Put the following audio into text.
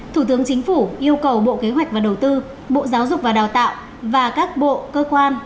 thủ tướng chính phủ yêu cầu bộ kế hoạch và đầu tư bộ giáo dục và đào tạo và các bộ cơ quan